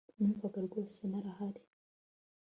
Numvaga rwose narahari